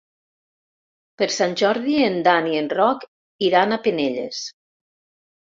Per Sant Jordi en Dan i en Roc iran a Penelles.